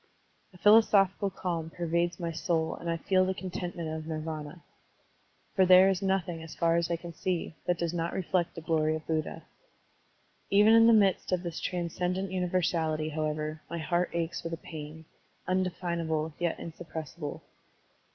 A philosophical calm pervades my soul and I feel the contentment of Nirvdna. For there is nothing, as far as I can see, that does not reflect the glory of Buddha. Even in the midst of this transcendent universality, however, my heart aches with a pain, undefinable yet insuppressible.